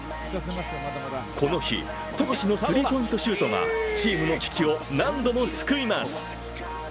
この日、富樫のスリーポイントシュートがチームの危機を何度も救います。